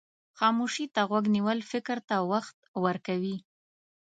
خاموشي ته غوږ نیول فکر ته وخت ورکوي.